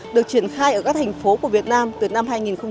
được triển khai ở các thành phố của việt nam từ năm hai nghìn một mươi